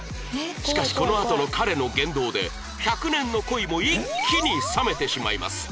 しかしこのあとの彼の言動で１００年の恋も一気に冷めてしまいます